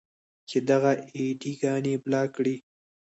چې دغه اې ډي ګانې بلاک کړئ.